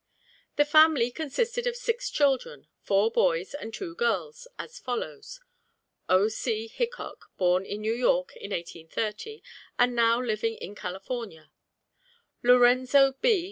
The family consisted of six children, four boys and two girls, as follows: O. C. Hickok, born in New York in 1830, and now living in California; Lorenzo B.